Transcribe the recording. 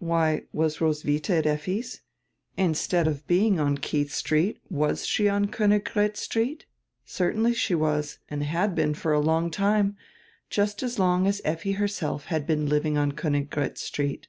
Why, was Roswidia at Effi's? Instead of being on Keidi Street was she on Koniggratz Street? Certainly she was, and had been for a long time, just as long as Effi herself had been living on Koniggratz Street.